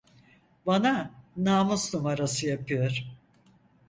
Bana namus numarası yapıyor.